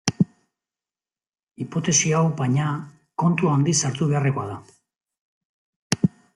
Hipotesi hau, baina, kontu handiz hartu beharrekoa da.